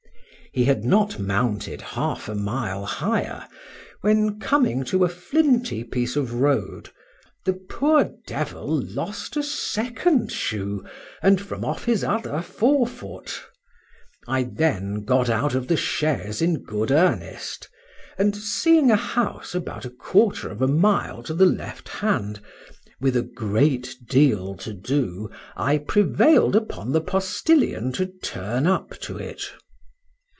He had not mounted half a mile higher, when, coming to a flinty piece of road, the poor devil lost a second shoe, and from off his other fore foot. I then got out of the chaise in good earnest; and seeing a house about a quarter of a mile to the left hand, with a great deal to do I prevailed upon the postilion to turn up to it.